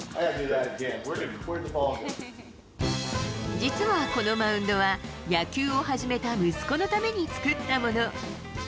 実はこのマウンドは、野球を始めた息子のために作ったもの。